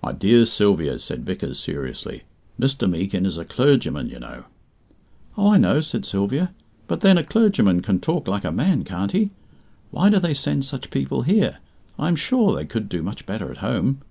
"My dear Sylvia," said Vickers, seriously, "Mr. Meekin is a clergyman, you know." "Oh, I know," said Sylvia, "but then, a clergyman can talk like a man, can't he? Why do they send such people here? I am sure they could do much better at home.